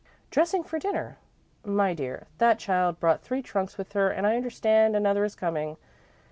"Dressing for dinner. My dear, that child brought three trunks with her and I understand another is coming.